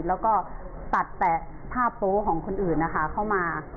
แล้วก็ตัดแตะภาพโต๊ะของคนอื่นเข้ามา